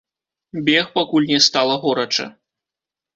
Бег пакуль не стала горача.